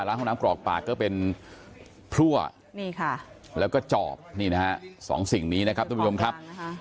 ร้านห้องน้ำกรอกปลาก็เป็นพรั่วแล้วก็จอบสองสิ่งนี้นะทุกผู้ชมครับ